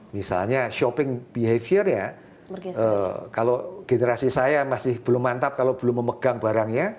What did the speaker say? misalnya shopping behaviornya kalau generasi saya masih belum mantap kalau belum memegang barangnya